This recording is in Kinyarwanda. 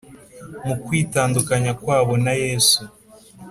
Mu kwitandukanya kwabo na Yesu